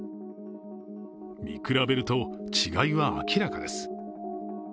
見比べると、違いは明らかです。